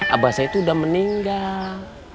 abah saya itu udah meninggal